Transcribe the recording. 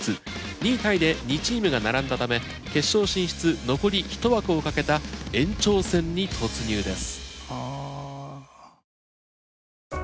２位タイで２チームが並んだため決勝進出残り１枠をかけた延長戦に突入です。